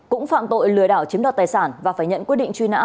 cũng phạm tội lừa đảo chiếm đoạt tài sản và phải nhận quyết định truy nã